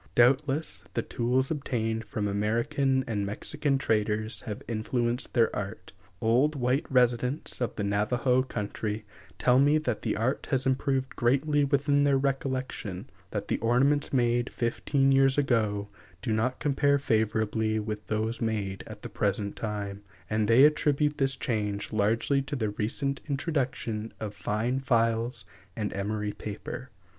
Doubtless the tools obtained from American and Mexican traders have influenced their art. Old white residents of the Navajo country tell me that the art has improved greatly within their recollection; that the ornaments made fifteen years ago do not compare favorably with those made at the present time; and they attribute this change largely to the recent introduction of fine files and emery paper.